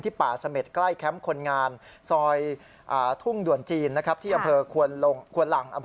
ที่ป่าเสม็ดใกล้แคมป์คนงานซอยทุ่งด่วนจีน